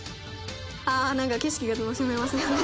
「ああなんか景色が楽しめますよね」